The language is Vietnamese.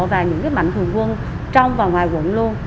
và những mạnh thường quân trong và ngoài quận luôn